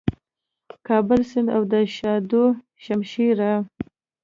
کابل سیند او د شاه دو شمشېره